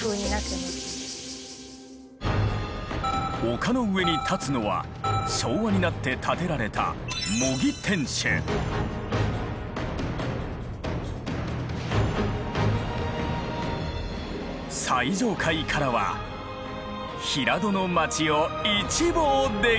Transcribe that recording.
丘の上に立つのは昭和になって建てられた最上階からは平戸のまちを一望できる！